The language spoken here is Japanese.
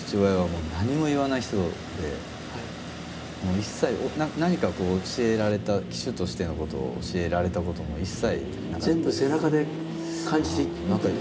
一切何か教えられた騎手としてのことを教えられたことも一切なかったです。